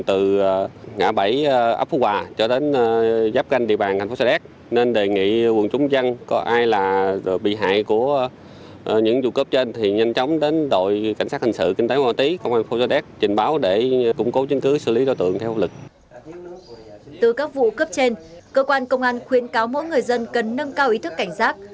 từ các vụ cấp trên cơ quan công an khuyến cáo mỗi người dân cần nâng cao ý thức cảnh giác